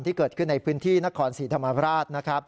ที่เกิดขึ้นในพื้นที่นครสีธรรมดาภาษณ์